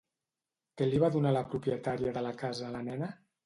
Què li va donar la propietària de la casa a la nena?